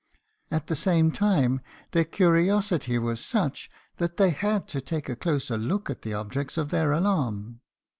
At the same time their curiosity was such that they had to take a closer look at the objects of their alarm.